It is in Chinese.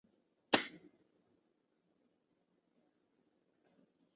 据说设计这项测验是为了藉着对刺激物的投射以反映出人格中的下意识部分。